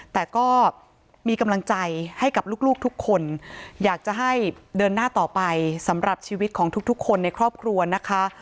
แต่ก็มีกำลังใจให้กับลูกทุกคนอยากจะให้เดินหน้าต่อไปสำหรับชีวิตของทุกคนในครอบครัวนะคะ